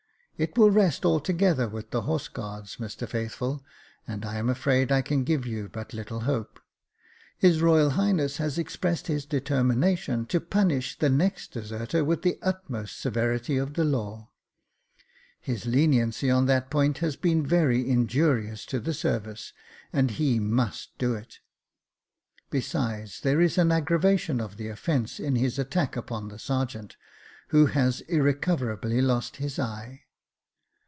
" It will rest altogether with the Horse Guards, Mr Faithful, and I am afraid I can give you but little hope. His Royal Highness has expressed his determination to punish the next deserter with the utmost severity of the law. His leniency on that point has been very injurious to the service, and he must do it. Besides, there is an aggravation of the offence in his attack upon the sergeant, who has irrecoverably lost his eye."